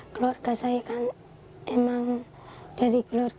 keluarga saya kan emang dari keluarga